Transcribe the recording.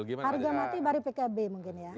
harga mati dari pkb mungkin ya